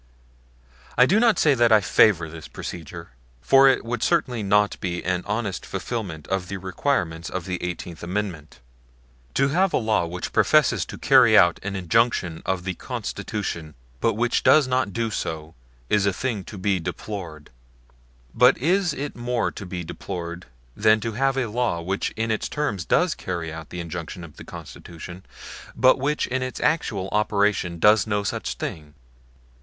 I do not say that I favor this procedure; for it would certainly not be an honest fulfilment of the requirements of the Eighteenth Amendment. To have a law which professes to carry out an injunction of the Constitution but which does not do so is a thing to be deplored. But is it more to be deplored than to have a law which in its terms does carry out the injunction of the Constitution but which in its actual operation does no such thing?